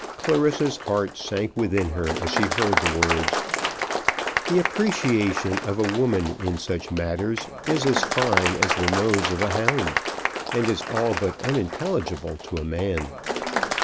Clarissa's heart sank within her as she heard the words. The appreciation of a woman in such matters is as fine as the nose of a hound, and is all but unintelligible to a man.